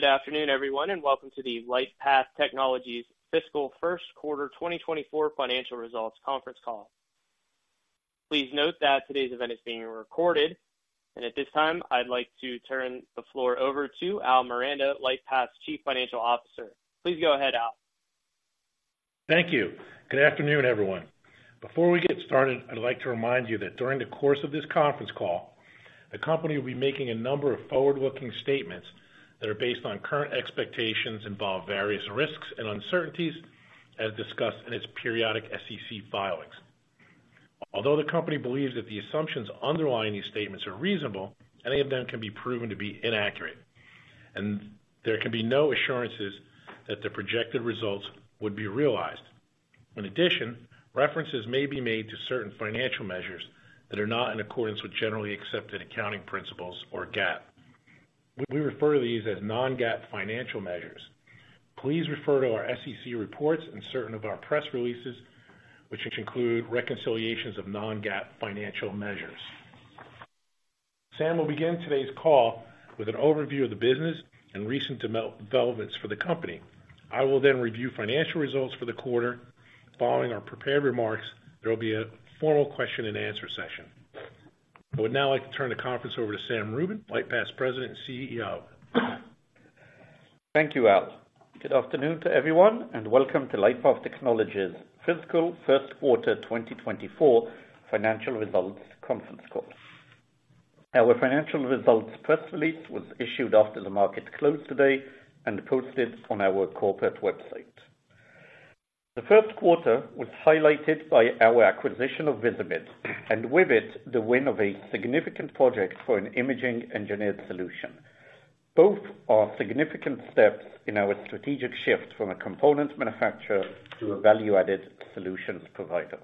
Good afternoon, everyone, and welcome to the LightPath Technologies Fiscal First Quarter 2024 Financial Results conference call. Please note that today's event is being recorded. At this time, I'd like to turn the floor over to Al Miranda, LightPath's Chief Financial Officer. Please go ahead, Al. Thank you. Good afternoon, everyone. Before we get started, I'd like to remind you that during the course of this conference call, the company will be making a number of forward-looking statements that are based on current expectations, involve various risks and uncertainties, as discussed in its periodic SEC filings. Although the company believes that the assumptions underlying these statements are reasonable, any of them can be proven to be inaccurate, and there can be no assurances that the projected results would be realized. In addition, references may be made to certain financial measures that are not in accordance with generally accepted accounting principles, or GAAP. We refer to these as non-GAAP financial measures. Please refer to our SEC reports and certain of our press releases, which include reconciliations of non-GAAP financial measures. Sam will begin today's call with an overview of the business and recent developments for the company. I will then review financial results for the quarter. Following our prepared remarks, there will be a formal question and answer session. I would now like to turn the conference over to Sam Rubin, LightPath's President and CEO. Thank you, Al. Good afternoon to everyone, and welcome to LightPath Technologies' Fiscal First Quarter 2024 Financial Results conference call. Our financial results press release was issued after the market closed today and posted on our corporate website. The first quarter was highlighted by our acquisition of Visimid, and with it, the win of a significant project for an imaging engineered solution. Both are significant steps in our strategic shift from a component manufacturer to a value-added solutions provider.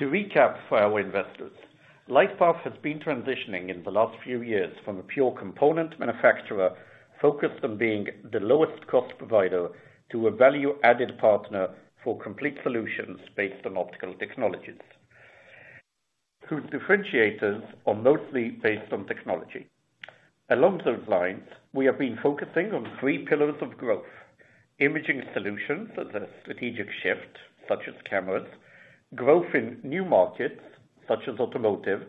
To recap for our investors, LightPath has been transitioning in the last few years from a pure component manufacturer focused on being the lowest cost provider, to a value-added partner for complete solutions based on optical technologies, whose differentiators are mostly based on technology. Along those lines, we have been focusing on three pillars of growth: imaging solutions as a strategic shift, such as cameras; growth in new markets, such as automotive;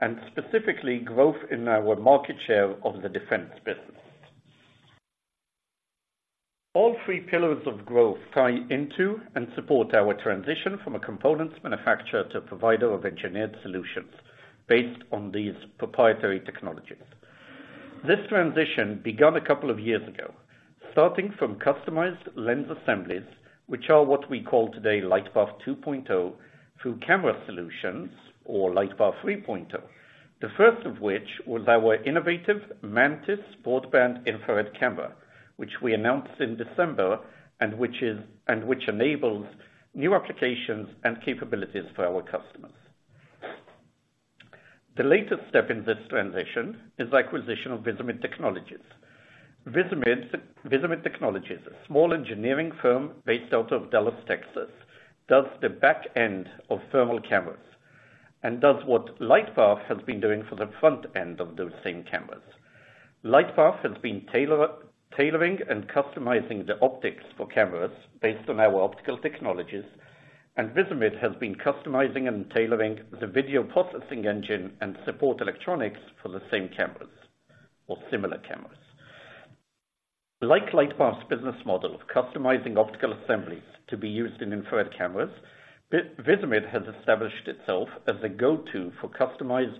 and specifically, growth in our market share of the defense business. All three pillars of growth tie into and support our transition from a components manufacturer to a provider of engineered solutions based on these proprietary technologies. This transition began a couple of years ago, starting from customized lens assemblies, which are what we call today LightPath 2.0, through camera solutions, or LightPath 3.0. The first of which was our innovative Mantis broadband infrared camera, which we announced in December, and which enables new applications and capabilities for our customers. The latest step in this transition is the acquisition of Visimid Technologies. Visimid Technologies, a small engineering firm based out of Dallas, Texas, does the back end of thermal cameras and does what LightPath has been doing for the front end of those same cameras. LightPath has been tailoring and customizing the optics for cameras based on our optical technologies, and Visimid has been customizing and tailoring the video processing engine and support electronics for the same cameras or similar cameras. Like LightPath's business model of customizing optical assemblies to be used in infrared cameras, Visimid has established itself as a go-to for customizing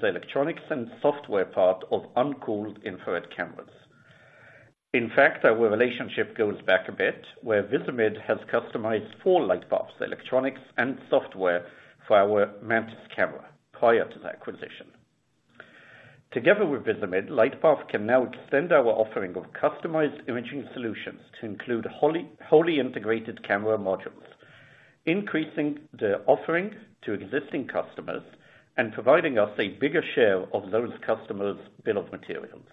the electronics and software part of uncooled infrared cameras. In fact, our relationship goes back a bit, where Visimid has customized for LightPath's electronics and software for our Mantis camera prior to the acquisition. Together with Visimid, LightPath can now extend our offering of customized imaging solutions to include wholly integrated camera modules, increasing the offerings to existing customers and providing us a bigger share of those customers' bill of materials.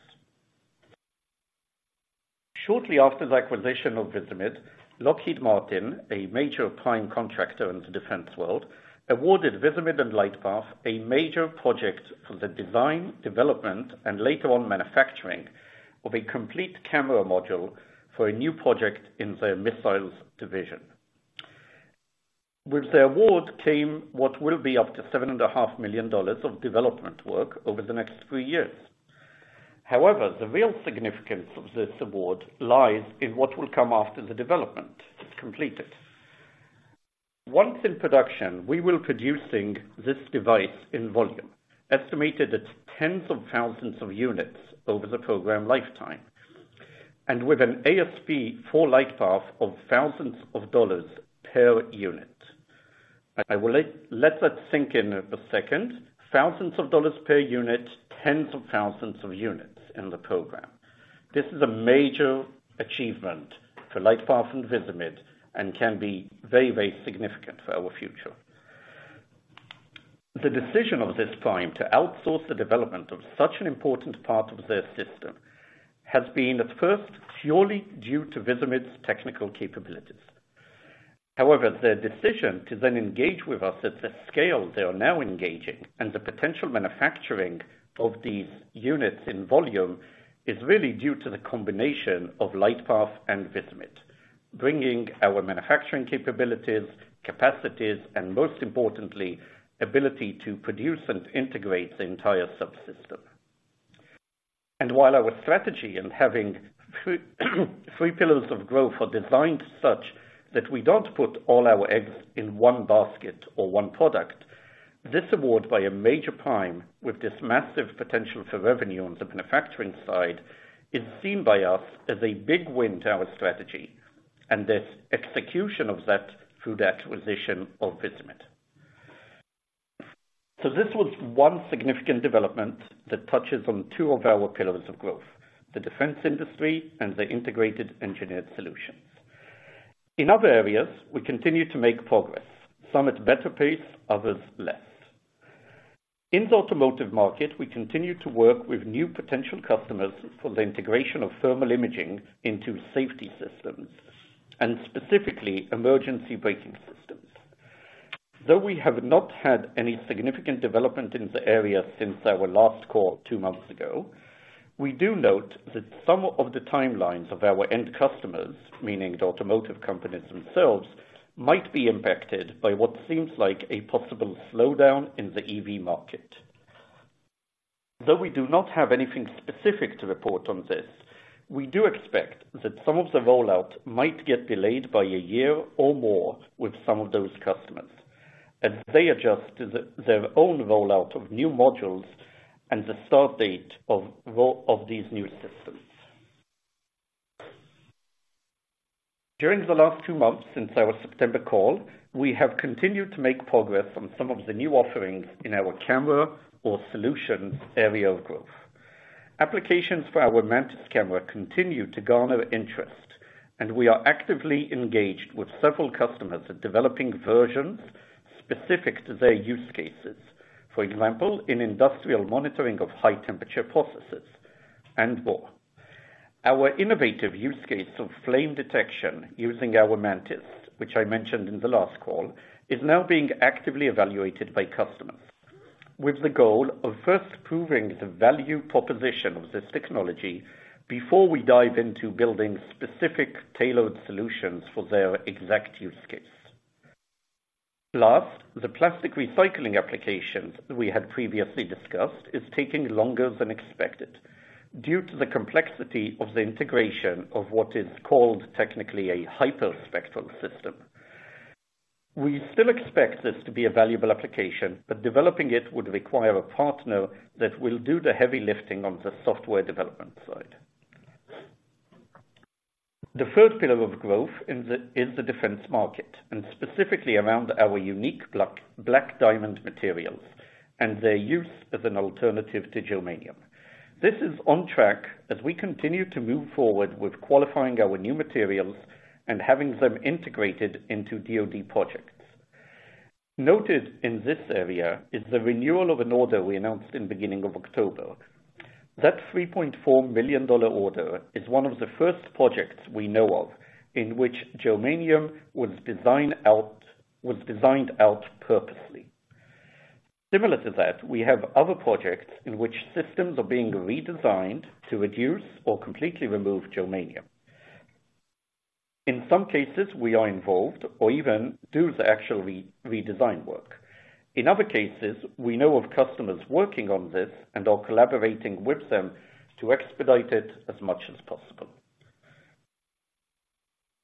Shortly after the acquisition of Visimid, Lockheed Martin, a major prime contractor in the defense world, awarded Visimid and LightPath a major project for the design, development, and later on, manufacturing of a complete camera module for a new project in their missiles division. With the award came what will be up to $7.5 million of development work over the next three years. However, the real significance of this award lies in what will come after the development is completed. Once in production, we will producing this device in volume, estimated at tens of thousands of units over the program lifetime, and with an ASP for LightPath of thousands of dollars per unit. I will let that sink in for a second. Thousands of dollars per unit, tens of thousands of units in the program. This is a major achievement for LightPath and Visimid and can be very, very significant for our future. The decision of this prime to outsource the development of such an important part of their system has been at first, purely due to Visimid's technical capabilities. However, their decision to then engage with us at the scale they are now engaging, and the potential manufacturing of these units in volume is really due to the combination of LightPath and Visimid, bringing our manufacturing capabilities, capacities, and most importantly, ability to produce and integrate the entire subsystem. And while our strategy in having three pillars of growth are designed such that we don't put all our eggs in one basket or one product, this award by a major prime with this massive potential for revenue on the manufacturing side, is seen by us as a big win to our strategy and this execution of that through the acquisition of Visimid. So this was one significant development that touches on two of our pillars of growth, the defense industry and the integrated engineered solutions. In other areas, we continue to make progress, some at better pace, others less. In the automotive market, we continue to work with new potential customers for the integration of thermal imaging into safety systems, and specifically emergency braking systems. Though we have not had any significant development in the area since our last call two months ago, we do note that some of the timelines of our end customers, meaning the automotive companies themselves, might be impacted by what seems like a possible slowdown in the EV market. Though we do not have anything specific to report on this, we do expect that some of the rollout might get delayed by a year or more with some of those customers, as they adjust to their own rollout of new modules and the start date of rollout of these new systems. During the last two months since our September call, we have continued to make progress on some of the new offerings in our camera or solutions area of growth. Applications for our Mantis camera continue to garner interest, and we are actively engaged with several customers in developing versions specific to their use cases. For example, in industrial monitoring of high temperature processes and more. Our innovative use case of flame detection using our Mantis, which I mentioned in the last call, is now being actively evaluated by customers, with the goal of first proving the value proposition of this technology before we dive into building specific tailored solutions for their exact use case. Plus, the plastic recycling applications we had previously discussed is taking longer than expected, due to the complexity of the integration of what is called technically a hyperspectral system. We still expect this to be a valuable application, but developing it would require a partner that will do the heavy lifting on the software development side. The third pillar of growth is the defense market, and specifically around our unique Black Diamond materials and their use as an alternative to germanium. This is on track as we continue to move forward with qualifying our new materials and having them integrated into DoD projects. Notable in this area is the renewal of an order we announced in the beginning of October. That $3.4 million order is one of the first projects we know of in which germanium was designed out purposely. Similar to that, we have other projects in which systems are being redesigned to reduce or completely remove germanium. In some cases, we are involved or even do the actual redesign work. In other cases, we know of customers working on this and are collaborating with them to expedite it as much as possible.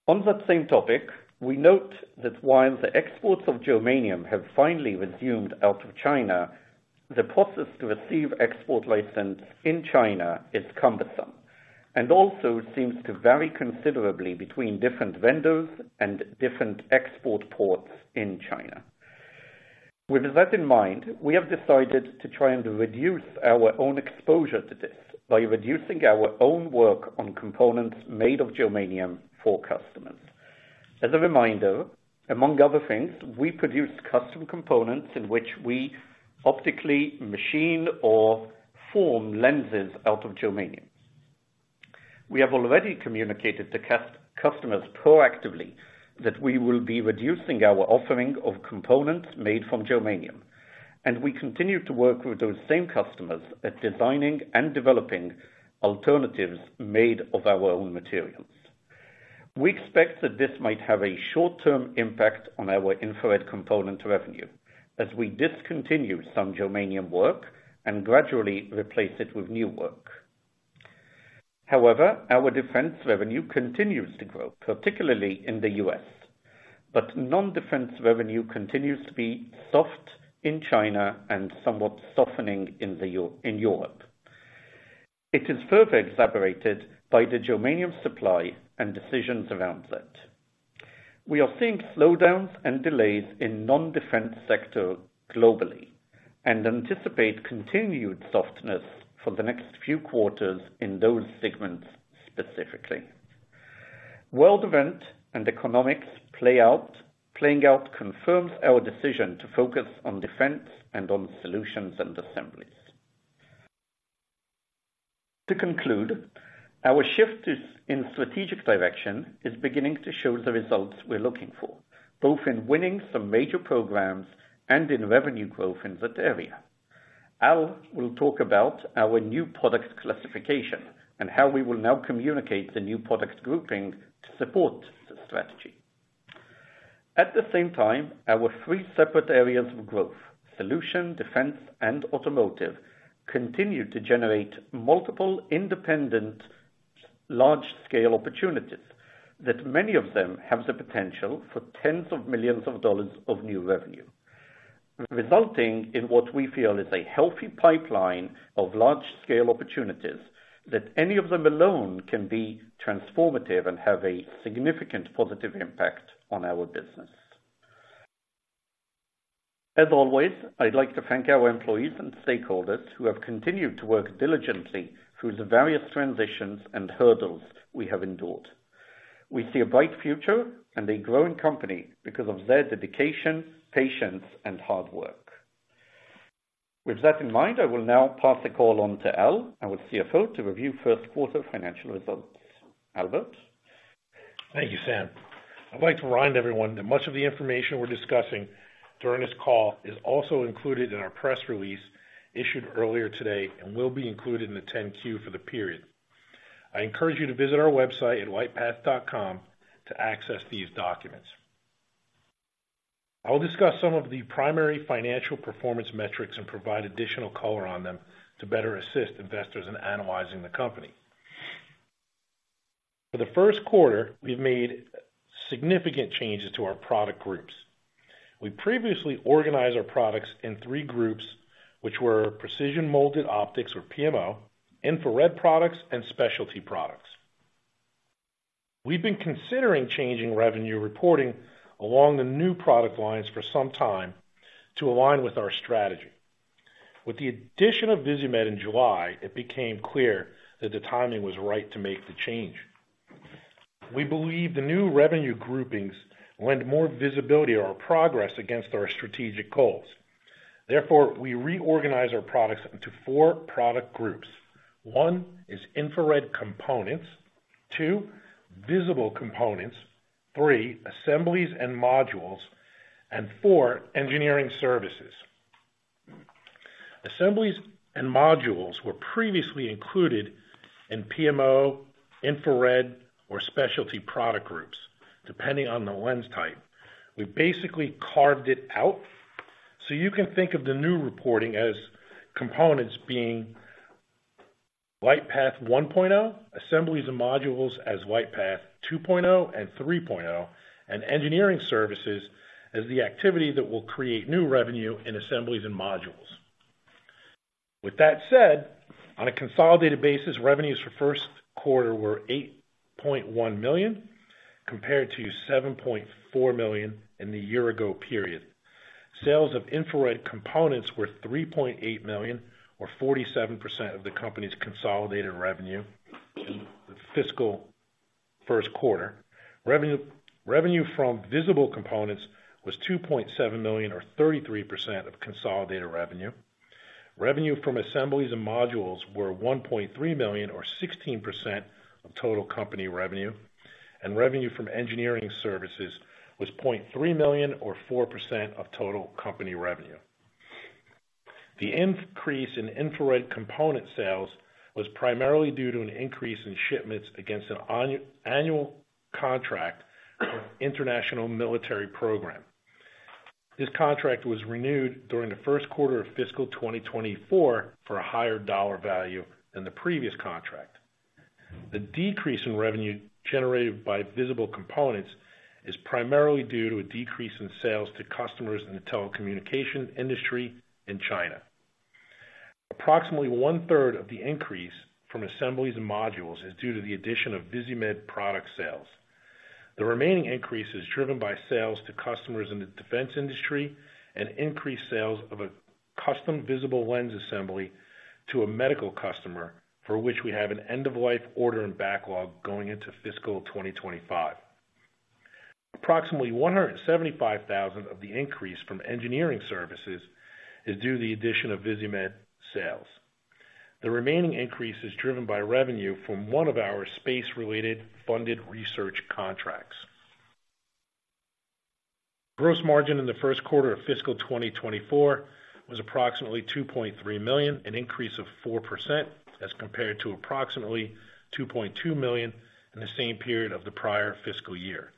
On that same topic, we note that while the exports of germanium have finally resumed out of China, the process to receive export license in China is cumbersome, and also seems to vary considerably between different vendors and different export ports in China. With that in mind, we have decided to try and reduce our own exposure to this by reducing our own work on components made of germanium for customers. As a reminder, among other things, we produce custom components in which we optically machine or form lenses out of germanium. We have already communicated to customers proactively that we will be reducing our offering of components made from germanium, and we continue to work with those same customers at designing and developing alternatives made of our own materials. We expect that this might have a short-term impact on our infrared component revenue as we discontinue some germanium work and gradually replace it with new work. However, our defense revenue continues to grow, particularly in the U.S., but non-defense revenue continues to be soft in China and somewhat softening in Europe. It is further exacerbated by the germanium supply and decisions around that. We are seeing slowdowns and delays in non-defense sector globally and anticipate continued softness for the next few quarters in those segments, specifically. World events and economics playing out confirms our decision to focus on defense and on solutions and assemblies. To conclude, our shift in strategic direction is beginning to show the results we're looking for, both in winning some major programs and in revenue growth in that area. Al will talk about our new product classification and how we will now communicate the new product grouping to support this strategy. At the same time, our three separate areas of growth, solutions, defense, and automotive, continue to generate multiple independent, large-scale opportunities that many of them have the potential for tens of millions of dollars of new revenue, resulting in what we feel is a healthy pipeline of large-scale opportunities, that any of them alone can be transformative and have a significant positive impact on our business. As always, I'd like to thank our employees and stakeholders who have continued to work diligently through the various transitions and hurdles we have endured. We see a bright future and a growing company because of their dedication, patience, and hard work. With that in mind, I will now pass the call on to Al, our CFO, to review first quarter financial results. Albert? Thank you, Sam. I'd like to remind everyone that much of the information we're discussing during this call is also included in our press release issued earlier today and will be included in the 10-Q for the period. I encourage you to visit our website at lightpath.com to access these documents. I'll discuss some of the primary financial performance metrics and provide additional color on them to better assist investors in analyzing the company. For the first quarter, we've made significant changes to our product groups. We previously organized our products in three groups, which were Precision Molded Optics, or PMO, Infrared Products, and Specialty Products. We've been considering changing revenue reporting along the new product lines for some time to align with our strategy. With the addition of Visimid in July, it became clear that the timing was right to make the change. We believe the new revenue groupings lend more visibility on our progress against our strategic goals. Therefore, we reorganized our products into four product groups. One is infrared components, two, visible components, three, assemblies and modules, and four, engineering services. Assemblies and modules were previously included in PMO, infrared, or specialty product groups, depending on the lens type. We basically carved it out, so you can think of the new reporting as components being LightPath 1.0, assemblies and modules as LightPath 2.0 and 3.0, and engineering services as the activity that will create new revenue in assemblies and modules. With that said, on a consolidated basis, revenues for first quarter were $8.1 million, compared to $7.4 million in the year ago period. Sales of infrared components were $3.8 million, or 47% of the company's consolidated revenue. The fiscal first quarter. Revenue, revenue from visible components was $2.7 million, or 33% of consolidated revenue. Revenue from assemblies and modules were $1.3 million, or 16% of total company revenue, and revenue from engineering services was $0.3 million, or 4% of total company revenue. The increase in infrared component sales was primarily due to an increase in shipments against an annual contract for an international military program. This contract was renewed during the first quarter of fiscal 2024 for a higher dollar value than the previous contract. The decrease in revenue generated by visible components is primarily due to a decrease in sales to customers in the telecommunications industry in China. Approximately 1/3 of the increase from assemblies and modules is due to the addition of Visimid product sales. The remaining increase is driven by sales to customers in the defense industry and increased sales of a custom visible lens assembly to a medical customer, for which we have an end-of-life order and backlog going into fiscal 2025. Approximately $175,000 of the increase from engineering services is due to the addition of Visimid sales. The remaining increase is driven by revenue from one of our space-related funded research contracts. Gross margin in the first quarter of fiscal 2024 was approximately $2.3 million, an increase of 4% as compared to approximately $2.2 million in the same period of the prior fiscal year.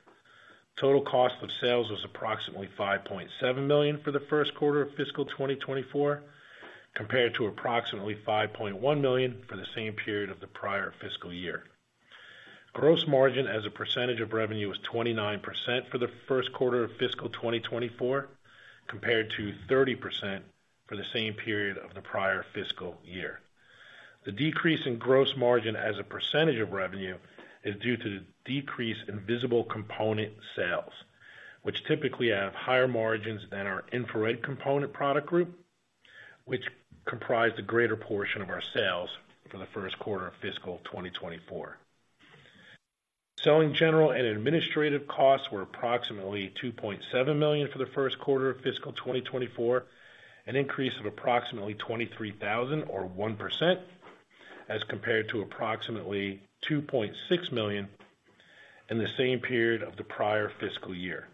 Total cost of sales was approximately $5.7 million for the first quarter of fiscal 2024, compared to approximately $5.1 million for the same period of the prior fiscal year. Gross margin as a percentage of revenue was 29% for the first quarter of fiscal 2024, compared to 30% for the same period of the prior fiscal year. The decrease in gross margin as a percentage of revenue is due to the decrease in visible component sales, which typically have higher margins than our infrared component product group, which comprised a greater portion of our sales for the first quarter of fiscal 2024. Selling, general and administrative costs were approximately $2.7 million for the first quarter of fiscal 2024, an increase of approximately $23,000 or 1%, as compared to approximately $2.6 million in the same period of the prior fiscal year.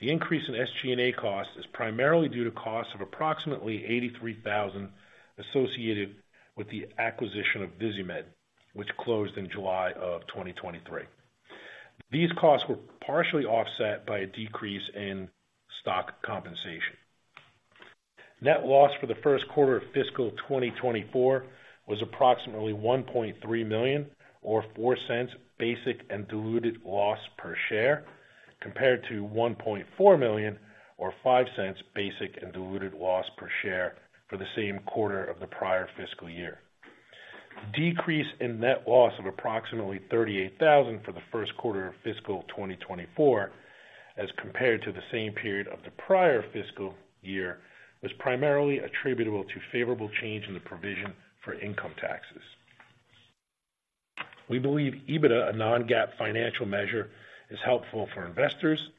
The increase in SG&A costs is primarily due to costs of approximately $83,000 associated with the acquisition of Visimid, which closed in July of 2023. These costs were partially offset by a decrease in stock compensation. Net loss for the first quarter of fiscal 2024 was approximately $1.3 million, or $0.04 basic and diluted loss per share, compared to $1.4 million or $0.05 basic and diluted loss per share for the same quarter of the prior fiscal year. Decrease in net loss of approximately $38,000 for the first quarter of fiscal 2024, as compared to the same period of the prior fiscal year, was primarily attributable to favorable change in the provision for income taxes. We believe EBITDA, a non-GAAP financial measure, is helpful for investors.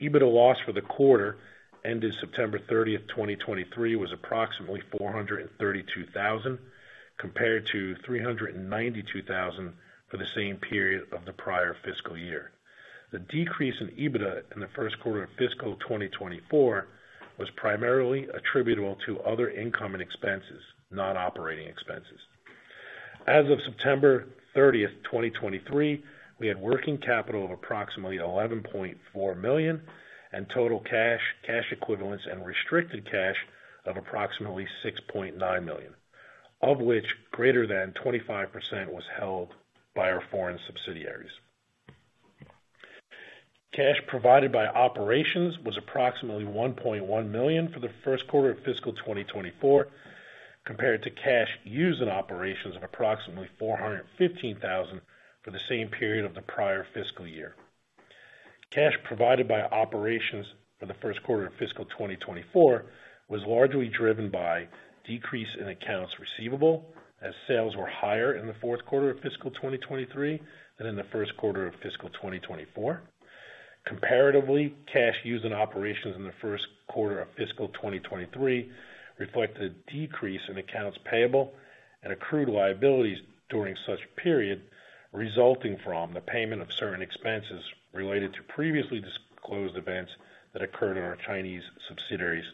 EBITDA loss for the quarter, ended September 30, 2023, was approximately $432,000, compared to $392,000 for the same period of the prior fiscal year. The decrease in EBITDA in the first quarter of fiscal 2024 was primarily attributable to other income and expenses, not operating expenses. As of September 30, 2023, we had working capital of approximately $11.4 million and total cash, cash equivalents, and restricted cash of approximately $6.9 million, of which greater than 25% was held by our foreign subsidiaries. Cash provided by operations was approximately $1.1 million for the first quarter of fiscal 2024, compared to cash used in operations of approximately $415,000 for the same period of the prior fiscal year. Cash provided by operations for the first quarter of fiscal 2024 was largely driven by decrease in accounts receivable, as sales were higher in the fourth quarter of fiscal 2023 than in the first quarter of fiscal 2024. Comparatively, cash used in operations in the first quarter of fiscal 2023 reflect a decrease in accounts payable and accrued liabilities during such period, resulting from the payment of certain expenses related to previously disclosed events that occurred in our Chinese subsidiaries,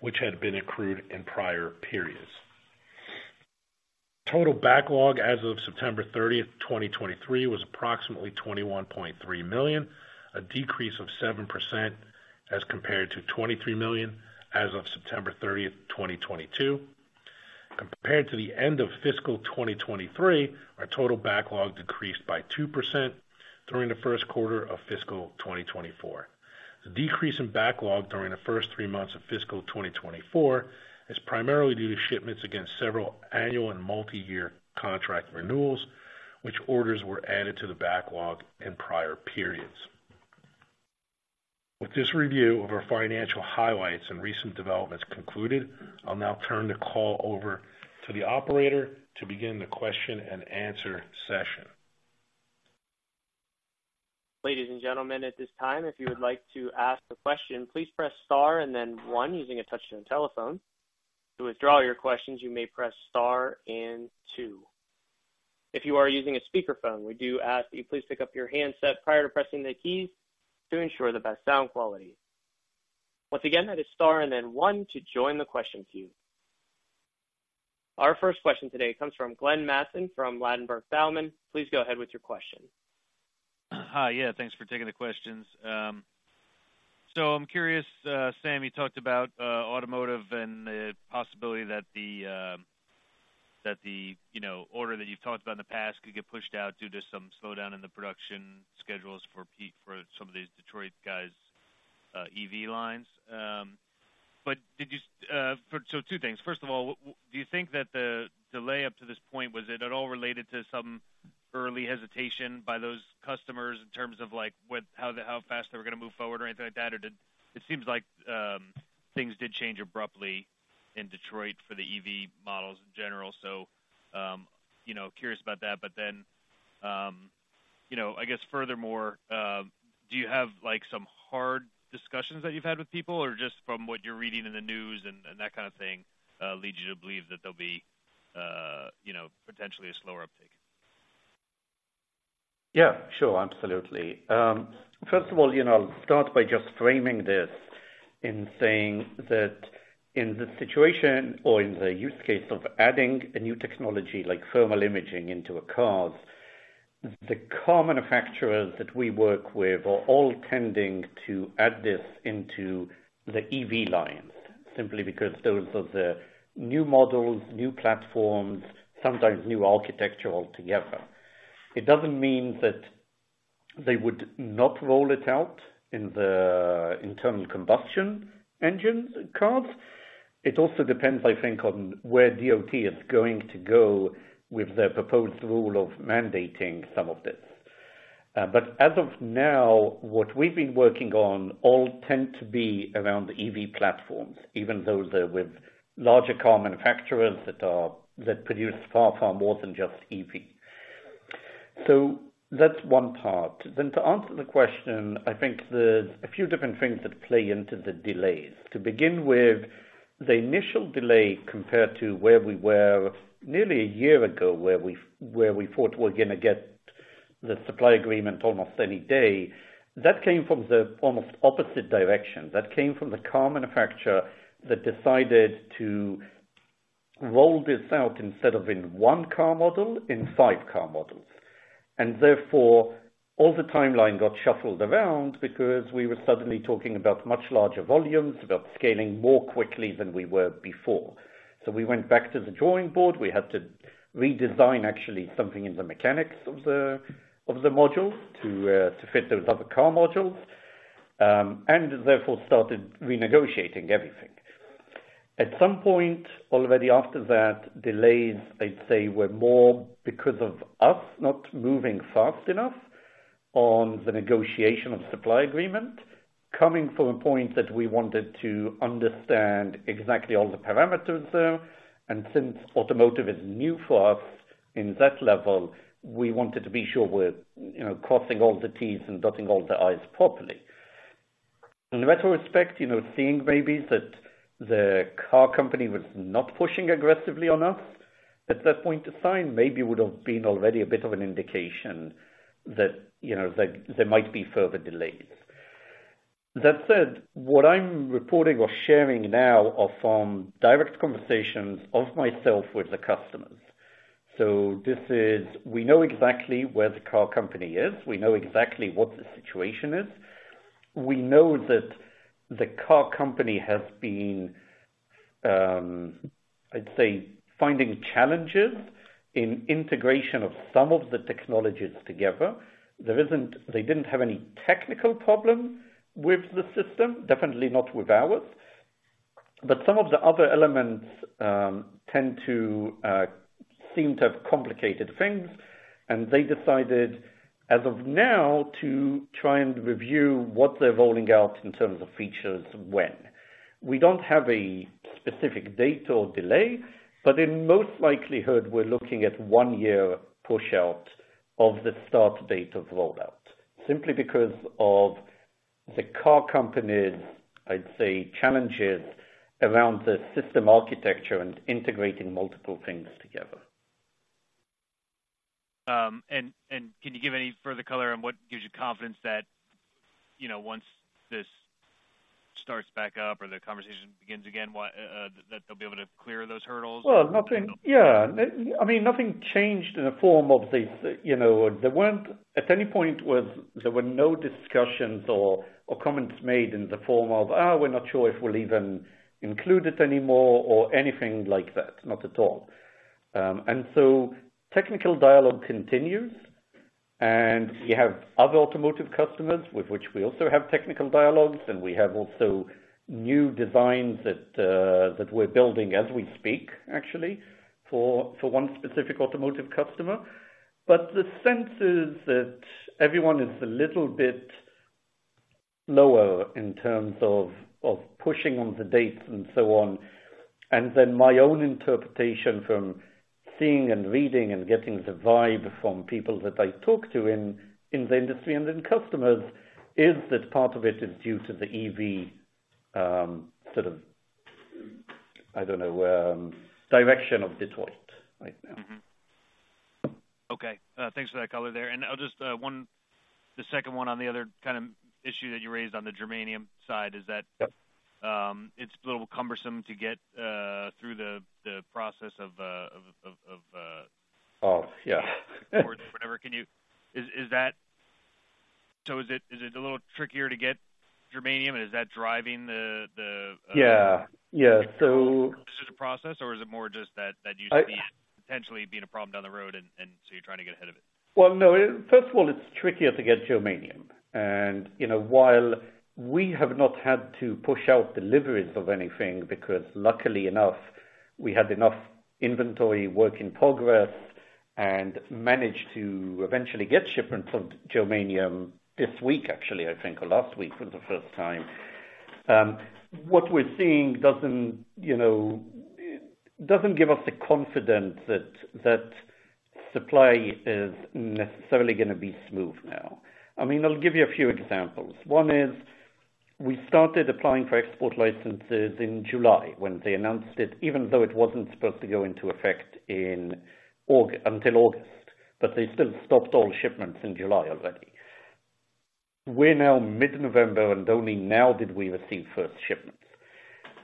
which had been accrued in prior periods. Total backlog as of September 30, 2023, was approximately $21.3 million, a decrease of 7% as compared to $23 million as of September 30, 2022. Compared to the end of fiscal 2023, our total backlog decreased by 2% during the first quarter of fiscal 2024. The decrease in backlog during the first three months of fiscal 2024 is primarily due to shipments against several annual and multi-year contract renewals, which orders were added to the backlog in prior periods. With this review of our financial highlights and recent developments concluded, I'll now turn the call over to the operator to begin the question and answer session. Ladies and gentlemen, at this time, if you would like to ask a question, please press star and then one using a touchtone telephone. To withdraw your questions, you may press star and two. If you are using a speakerphone, we do ask that you please pick up your handset prior to pressing the keys to ensure the best sound quality. Once again, that is star and then one to join the question queue. Our first question today comes from Glenn Mattson, from Ladenburg Thalmann. Please go ahead with your question. Yeah, thanks for taking the questions. So I'm curious, Sam, you talked about automotive and the possibility that the, you know, order that you've talked about in the past could get pushed out due to some slowdown in the production schedules for some of these Detroit guys, EV lines. But, so two things. First of all, do you think that the delay up to this point was it at all related to some early hesitation by those customers in terms of like what, how fast they were gonna move forward or anything like that? Or did. It seems like things did change abruptly in Detroit for the EV models in general, so, you know, curious about that. But then, you know, I guess furthermore, do you have, like, some hard discussions that you've had with people or just from what you're reading in the news and that kind of thing, lead you to believe that there'll be, you know, potentially a slower uptake? Yeah, sure. Absolutely. First of all, you know, I'll start by just framing this in saying that in the situation or in the use case of adding a new technology like thermal imaging into a car, the car manufacturers that we work with are all tending to add this into the EV lines, simply because those are the new models, new platforms, sometimes new architecture altogether. It doesn't mean that they would not roll it out in the internal combustion engine cars. It also depends, I think, on where DOT is going to go with their proposed rule of mandating some of this. But as of now, what we've been working on all tend to be around the EV platforms, even those that with larger car manufacturers that are, that produce far, far more than just EV. So that's one part, Then to answer the question, I think there's a few different things that play into the delays. To begin with, the initial delay compared to where we were nearly a year ago, where we thought we're gonna get the supply agreement almost any day, that came from the almost opposite direction. That came from the car manufacturer that decided to roll this out instead of in one car model, in five car models. And therefore, all the timeline got shuffled around because we were suddenly talking about much larger volumes, about scaling more quickly than we were before. So we went back to the drawing board. We had to redesign, actually, something in the mechanics of the module to fit those other car modules, and therefore started renegotiating everything. At some point already after that, delays, I'd say, were more because of us not moving fast enough on the negotiation of supply agreement, coming from a point that we wanted to understand exactly all the parameters there, and since automotive is new for us in that level, we wanted to be sure we're, you know, crossing all the T's and dotting all the I's properly. In retrospect, you know, seeing maybe that the car company was not pushing aggressively enough at that point of time, maybe would have been already a bit of an indication that, you know, that there might be further delays. That said, what I'm reporting or sharing now are from direct conversations of myself with the customers. So this is, we know exactly where the car company is. We know exactly what the situation is. We know that the car company has been, I'd say, finding challenges in integration of some of the technologies together. They didn't have any technical problem with the system, definitely not with ours. But some of the other elements tend to seem to have complicated things, and they decided, as of now, to try and review what they're rolling out in terms of features when. We don't have a specific date or delay, but in most likelihood, we're looking at one year push out of the start date of rollout, simply because of the car company's, I'd say, challenges around the system architecture and integrating multiple things together. Can you give any further color on what gives you confidence that, you know, once this starts back up or the conversation begins again, why that they'll be able to clear those hurdles? Well, nothing. Yeah, I mean, nothing changed in the form of the, you know, there weren't, at any point was, there were no discussions or, or comments made in the form of, "Ah, we're not sure if we'll even include it anymore," or anything like that, not at all. And so technical dialogue continues, and we have other automotive customers with which we also have technical dialogues, and we have also new designs that, that we're building as we speak, actually, for, for one specific automotive customer. But the sense is that everyone is a little bit lower in terms of, of pushing on the dates and so on. And then my own interpretation from seeing and reading and getting the vibe from people that I talk to in the industry and in customers, is that part of it is due to the EV, sort of, I don't know, direction of Detroit right now. Mm-hmm. Okay. Thanks for that color there. And I'll just, the second one, on the other kind of issue that you raised on the germanium side, is that- Yep. It's a little cumbersome to get through the process of. Oh, yeah. Whatever. Is that so? Is it a little trickier to get germanium, and is that driving the? Yeah. Yeah. So. Decision process, or is it more just that you. I. potentially being a problem down the road, and so you're trying to get ahead of it? Well, no, it. First of all, it's trickier to get germanium. And, you know, while we have not had to push out deliveries of anything, because luckily enough, we had enough inventory work in progress and managed to eventually get shipments of germanium this week, actually, I think, or last week for the first time. What we're seeing doesn't, you know, doesn't give us the confidence that, that supply is necessarily gonna be smooth now. I mean, I'll give you a few examples. One is, we started applying for export licenses in July when they announced it, even though it wasn't supposed to go into effect until August, but they still stopped all shipments in July already. We're now mid-November, and only now did we receive first shipments.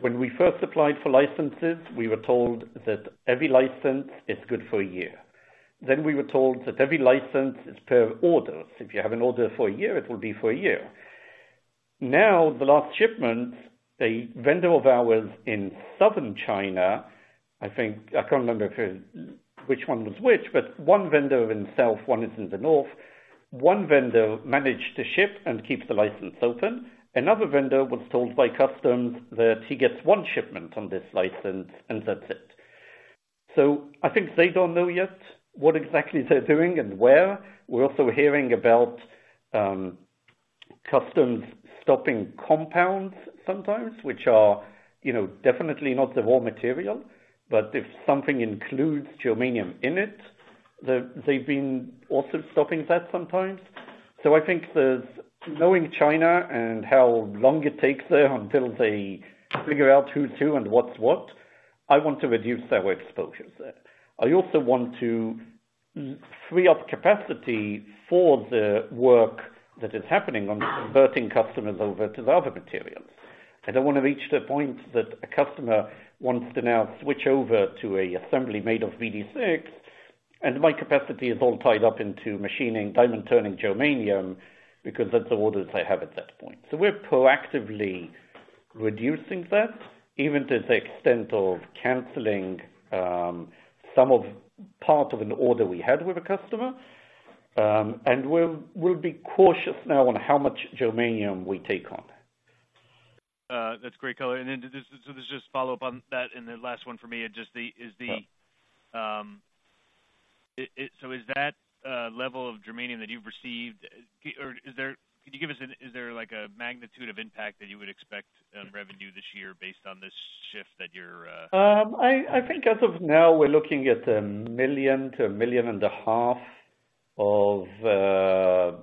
When we first applied for licenses, we were told that every license is good for a year. Then we were told that every license is per order. If you have an order for a year, it will be for a year. Now, the last shipment, a vendor of ours in southern China, I think, I can't remember if, which one was which, but one vendor in the south, one is in the north. One vendor managed to ship and keep the license open. Another vendor was told by customs that he gets one shipment on this license, and that's it. So I think they don't know yet what exactly they're doing and where. We're also hearing about customs stopping compounds sometimes, which are, you know, definitely not the raw material, but if something includes germanium in it, the- they've been also stopping that sometimes. So I think there's knowing China and how long it takes there until they figure out who's who and what's what, I want to reduce our exposure there. I also want to free up capacity for the work that is happening on converting customers over to the other materials. I don't wanna reach the point that a customer wants to now switch over to an assembly made of BD6, and my capacity is all tied up into machining diamond turning germanium, because that's the orders I have at that point. So we're proactively reducing that, even to the extent of canceling some part of an order we had with a customer. And we'll be cautious now on how much germanium we take on. That's great color. And then, so just follow up on that, and then last one for me, is just the, is the, so is that level of germanium that you've received, or is there, could you give us an is there like a magnitude of impact that you would expect on revenue this year based on this shift that you're, I think as of now, we're looking at $1 million-$1.5 million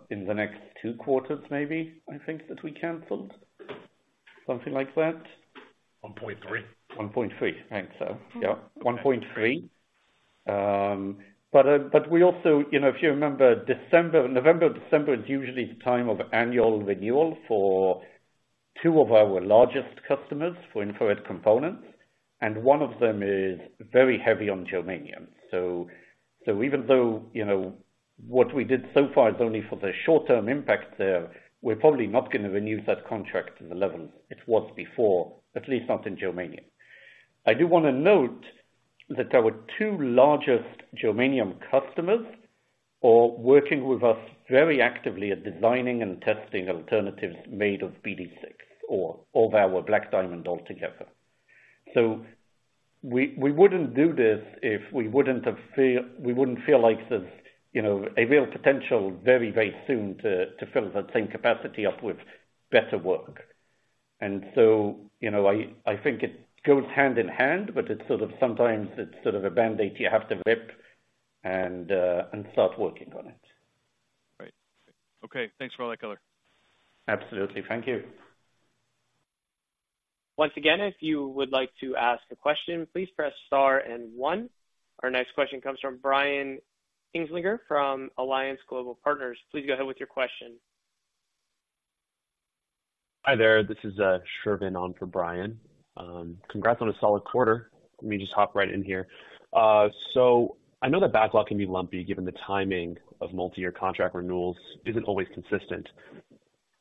in the next two quarters, maybe, I think, that we canceled. Something like that? 1.3. I think so. Yeah, 1.3. But, but we also. You know, if you remember, December, November, December is usually the time of annual renewal for two of our largest customers for infrared components, and one of them is very heavy on germanium. So, so even though, you know, what we did so far is only for the short-term impact there, we're probably not gonna renew that contract to the level it was before, at least not in germanium. I do wanna note that our two largest germanium customers are working with us very actively at designing and testing alternatives made of BD6 or, or our Black Diamond altogether. So we, we wouldn't do this if we wouldn't feel like there's, you know, a real potential very, very soon to, to fill that same capacity up with better work. So, you know, I think it goes hand in hand, but it's sort of sometimes it's sort of a band-aid you have to rip and start working on it. Right. Okay, thanks for all that color. Absolutely. Thank you. Once again, if you would like to ask a question, please press star and one. Our next question comes from Brian Kinstlinger from Alliance Global Partners. Please go ahead with your question. Hi, there. This is Shervin on for Brian. Congrats on a solid quarter. Let me just hop right in here. So I know that backlog can be lumpy, given the timing of multi-year contract renewals isn't always consistent.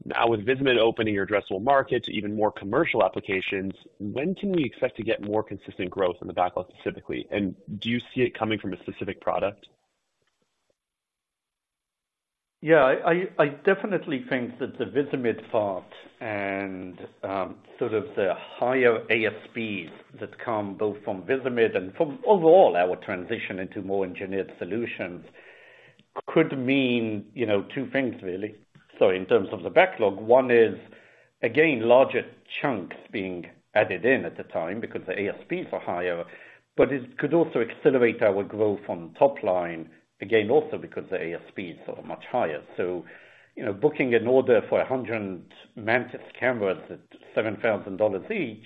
Now, with Visimid opening your addressable market to even more commercial applications, when can we expect to get more consistent growth in the backlog specifically? And do you see it coming from a specific product? Yeah, I definitely think that the Visimid part and sort of the higher ASPs that come both from Visimid and from overall our transition into more engineered solutions could mean, you know, two things really. So in terms of the backlog, one is, again, larger chunks being added in at the time because the ASPs are higher, but it could also accelerate our growth on top line, again, also because the ASPs are much higher. So, you know, booking an order for 100 Mantis cameras at $7,000 each,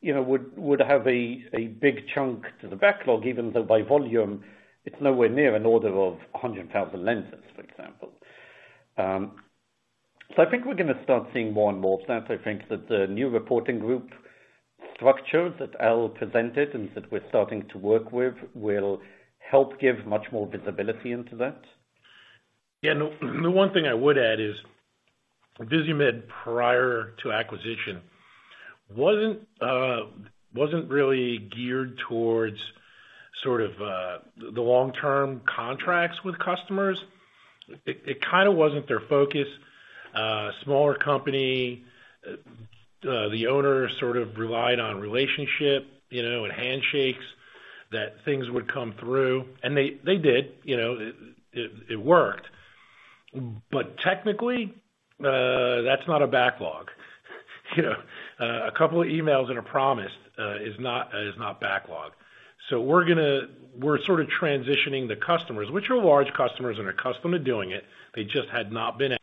you know, would have a big chunk to the backlog, even though by volume, it's nowhere near an order of 100,000 lenses, for example. So I think we're gonna start seeing more and more of that. I think that the new reporting group structure that Al presented and that we're starting to work with, will help give much more visibility into that. Yeah, and the one thing I would add is, Visimid, prior to acquisition, wasn't really geared towards sort of the long-term contracts with customers. It kind of wasn't their focus. Smaller company, the owner sort of relied on relationship, you know, and handshakes, that things would come through, and they did, you know, it worked. But technically, that's not a backlog. You know, a couple of emails and a promise is not backlog. So we're gonna - we're sort of transitioning the customers, which are large customers and are accustomed to doing it. They just had not been in.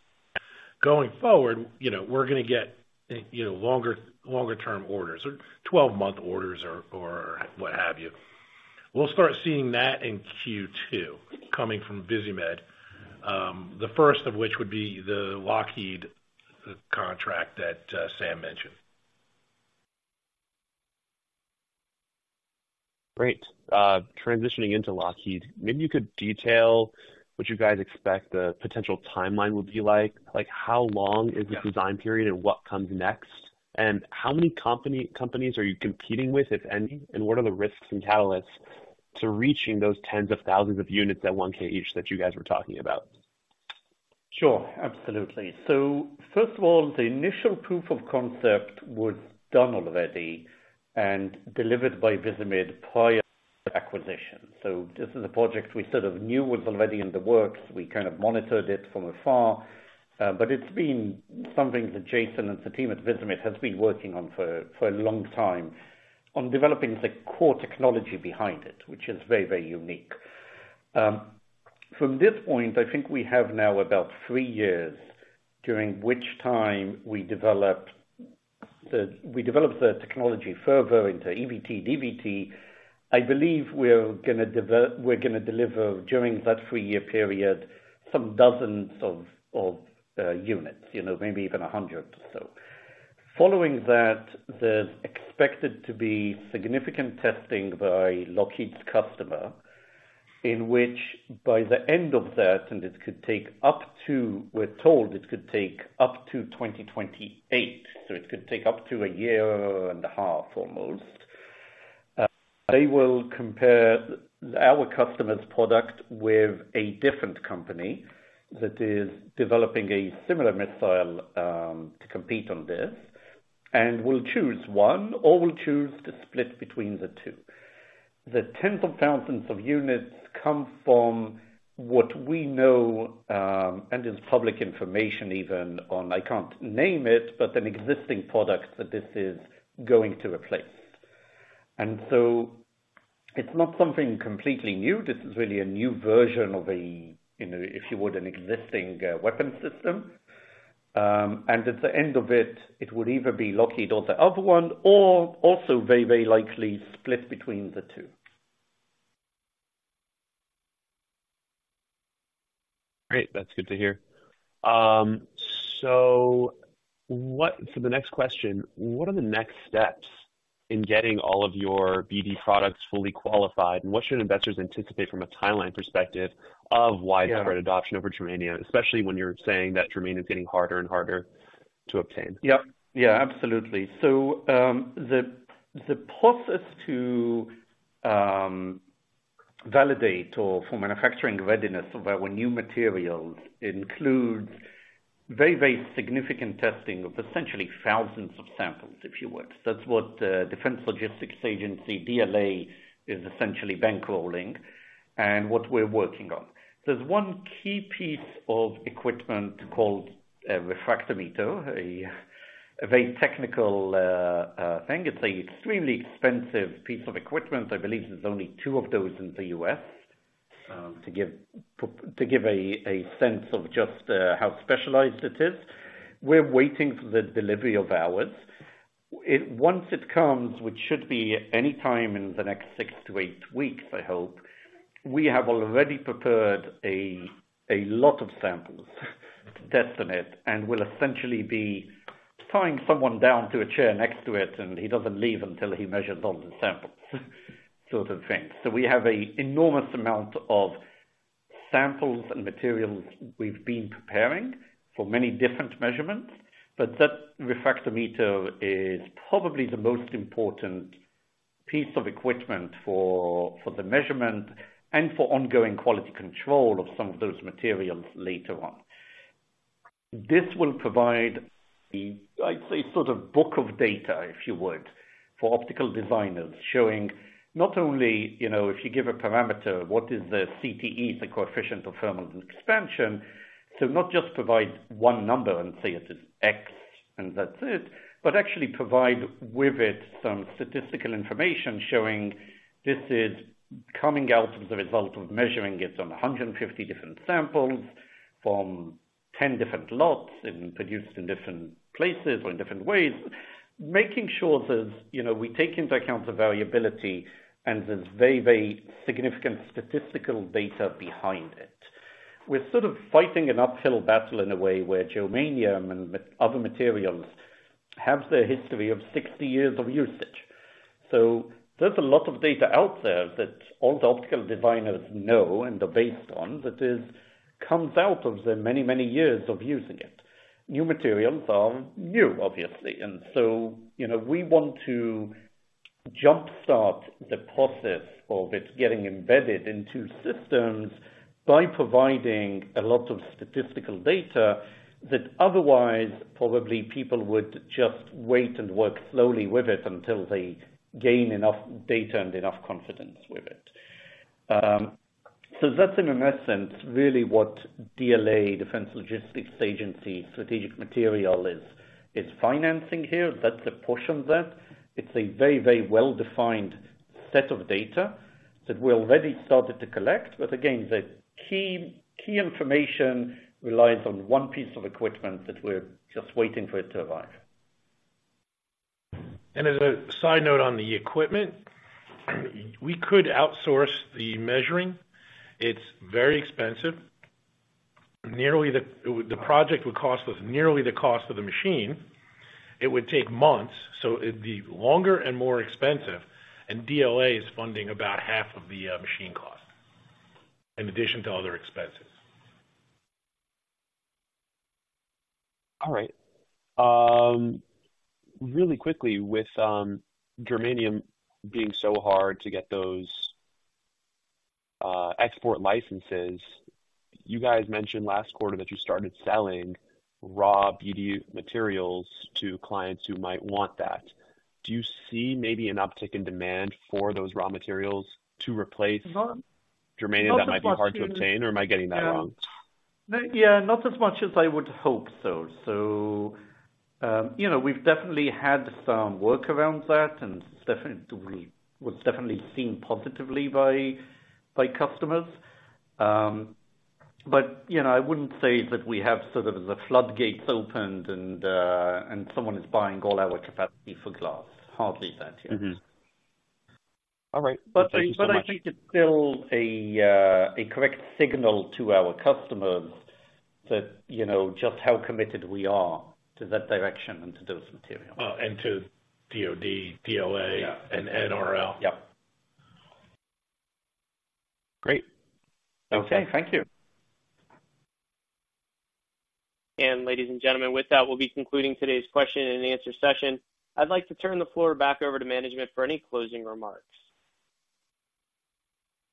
Going forward, you know, we're gonna get, you know, longer term orders or twelve-month orders or what have you. We'll start seeing that in Q2, coming from Visimid. The first of which would be the Lockheed contract that Sam mentioned. Great. Transitioning into Lockheed, maybe you could detail what you guys expect the potential timeline would be like? Like, how long is the design period and what comes next? And how many companies are you competing with, if any? And what are the risks and catalysts to reaching those tens of thousands of units at $1,000 each, that you guys were talking about? Sure, absolutely. So first of all, the initial proof of concept was done already and delivered by Visimid prior to acquisition. So this is a project we sort of knew was already in the works. We kind of monitored it from afar, but it's been something that Jason and the team at Visimid has been working on for a long time on developing the core technology behind it, which is very, very unique. From this point, I think we have now about three years, during which time we developed the technology further into EVT, DVT. I believe we're gonna deliver during that three-year period, some dozens of units, you know, maybe even 100 or so. Following that, there's expected to be significant testing by Lockheed's customer, in which by the end of that, and this could take up to, we're told it could take up to 2028, so it could take up to a year and a half almost. They will compare our customer's product with a different company that is developing a similar missile, to compete on this, and will choose one or will choose to split between the two. The tens of thousands of units come from what we know, and is public information even on, I can't name it, but an existing product that this is going to replace. And so it's not something completely new. This is really a new version of a, you know, if you would, an existing, weapon system. At the end of it, it would either be Lockheed or the other one, or also very, very likely split between the two. Great! That's good to hear. So what. For the next question, what are the next steps in getting all of your BD products fully qualified? And what should investors anticipate from a timeline perspective of widespread. Yeah. Adoption over germanium, especially when you're saying that germanium is getting harder and harder to obtain? Yep. Yeah, absolutely. So, the process to validate or for manufacturing readiness of our new materials includes very, very significant testing of essentially thousands of samples, if you would. That's what Defense Logistics Agency, DLA, is essentially bankrolling and what we're working on. There's one key piece of equipment called a refractometer, a very technical thing. It's a extremely expensive piece of equipment. I believe there's only two of those in the U.S., to give a sense of just how specialized it is. We're waiting for the delivery of ours. Once it comes, which should be any time in the next 6-8 weeks, I hope, we have already prepared a lot of samples to test on it, and will essentially be tying someone down to a chair next to it, and he doesn't leave until he measures all the samples, sort of thing. So we have an enormous amount of samples and materials we've been preparing for many different measurements, but that refractometer is probably the most important piece of equipment for the measurement and for ongoing quality control of some of those materials later on. This will provide a, I'd say, sort of book of data, if you would, for optical designers, showing not only, you know, if you give a parameter, what is the CTE, the coefficient of thermal expansion? So not just provide one number and say it is X, and that's it, but actually provide with it some statistical information showing this is coming out as a result of measuring it on 150 different samples from 10 different lots and produced in different places or in different ways. Making sure that, you know, we take into account the variability and there's very, very significant statistical data behind it. We're sort of fighting an uphill battle in a way, where germanium and other materials have the history of 60 years of usage. So there's a lot of data out there that all the optical designers know and are based on, that is, comes out of the many, many years of using it. New materials are new, obviously, and so, you know, we want to jumpstart the process of it getting embedded into systems by providing a lot of statistical data that otherwise probably people would just wait and work slowly with it until they gain enough data and enough confidence with it. So that's in a sense, really what DLA, Defense Logistics Agency, Strategic Materials is financing here. That's a portion of that. It's a very, very well-defined set of data that we already started to collect. But again, the key, key information relies on one piece of equipment that we're just waiting for it to arrive. As a side note on the equipment, we could outsource the measuring. It's very expensive. Nearly, the project would cost us nearly the cost of the machine. It would take months, so it'd be longer and more expensive, and DLA is funding about half of the machine cost, in addition to other expenses. All right. Really quickly, with germanium being so hard to get those export licenses, you guys mentioned last quarter that you started selling raw BD materials to clients who might want that. Do you see maybe an uptick in demand for those raw materials to replace. Well, not as much. Germanium that might be hard to obtain, or am I getting that wrong? Yeah, not as much as I would hope so. So, you know, we've definitely had some work around that, and definitely was definitely seen positively by customers. But, you know, I wouldn't say that we have sort of the floodgates opened and someone is buying all our capacity for glass. Hardly that yet. Mm-hmm. All right. Thank you so much. I think it's still a correct signal to our customers that, you know, just how committed we are to that direction and to those materials. And to DoD, DLA. Yeah. And NRL. Yep. Great. Okay, thank you. Ladies and gentlemen, with that, we'll be concluding today's question and answer session. I'd like to turn the floor back over to management for any closing remarks.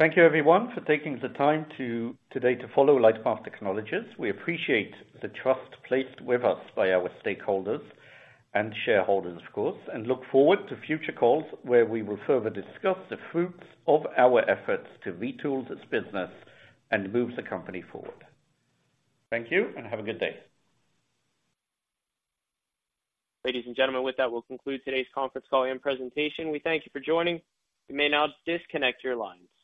Thank you, everyone, for taking the time to today to follow LightPath Technologies. We appreciate the trust placed with us by our stakeholders and shareholders, of course, and look forward to future calls where we will further discuss the fruits of our efforts to retool this business and move the company forward. Thank you, and have a good day. Ladies and gentlemen, with that, we'll conclude today's conference call and presentation. We thank you for joining. You may now disconnect your lines.